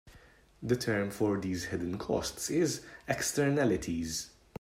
The term for these hidden costs is "Externalities".